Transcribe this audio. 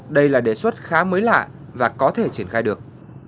đây là đề xuất khá mới lạ và có thể triển khai được